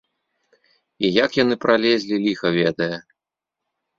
І як яны пралезлі, ліха ведае!